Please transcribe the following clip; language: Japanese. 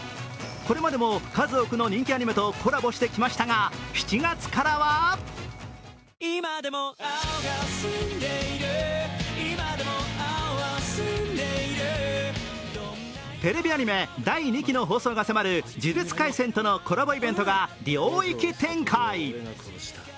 これまでも数多くの人気アニメとコラボしてきましたが、７月からはテレビアニメ第２期の放送が迫る「呪術廻戦」とのコラボイベントが領域展開。